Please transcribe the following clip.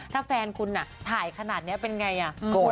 ถ้าแฟนคุณถ่ายขนาดนี้เป็นไงอ่ะโกรธ